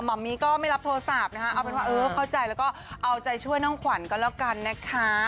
มมี่ก็ไม่รับโทรศัพท์นะคะเอาเป็นว่าเออเข้าใจแล้วก็เอาใจช่วยน้องขวัญก็แล้วกันนะคะ